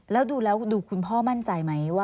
แล้วดูแล้วดูคุณพ่อมั่นใจไหมว่า